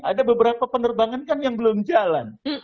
ada beberapa penerbangan kan yang belum jalan